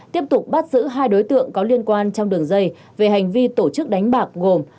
tiếp tục bắt giữ hai đối tượng có liên quan trong đường dây về hành vi tổ chức đánh bạc gồm